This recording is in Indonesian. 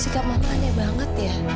sikap mama aneh banget ya